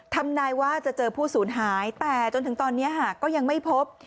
ทำนายว่าจะเจอผู้สูญหายแต่จนถึงตอนนี้ก็ยังไม่พบ